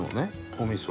お味噌。